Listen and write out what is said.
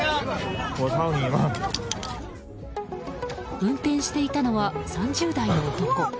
運転していたのは３０代の男。